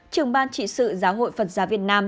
trưởng ban trị sự giáo hội phật giáo việt nam